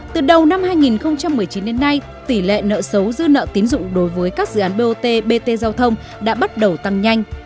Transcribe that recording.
từ đầu năm hai nghìn một mươi chín đến nay tỷ lệ nợ xấu dư nợ tín dụng đối với các dự án bot bt giao thông đã bắt đầu tăng nhanh